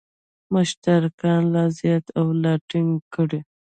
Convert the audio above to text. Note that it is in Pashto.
مشترکات لا زیات او لا ټینګ کړي.